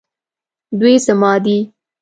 دوی زما دي